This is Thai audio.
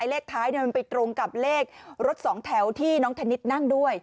เลขท้ายมันไปตรงกับเลขรถสองแถวที่น้องธนิดนั่งด้วย